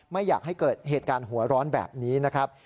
ไม่อยากให้เกิดเหตุการณ์หัวร้อนแบบนี้นะครับ